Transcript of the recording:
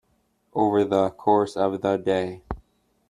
Over the course of the day.